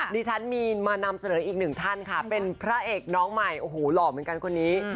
ดิฉันมีมานำเสนออีกหนึ่งท่านค่ะเป็นพระเอกน้องใหม่โอ้โหหล่อเหมือนกันคนนี้